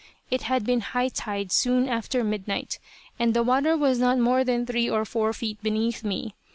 It had been high tide soon after midnight, and the water was not more than three or four feet beneath me.